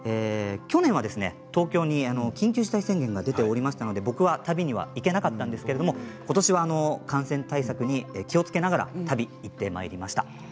去年は、東京に緊急事態宣言が出ていたので僕は旅には行けなかったんですがことしは感染対策に気をつけながら行ってまいりました。